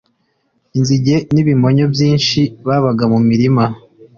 Inzige n'ibimonyo byinshi babaga mu murima